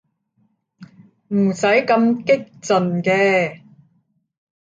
唔使咁激進嘅